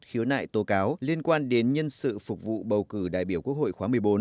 khiếu nại tố cáo liên quan đến nhân sự phục vụ bầu cử đại biểu quốc hội khóa một mươi bốn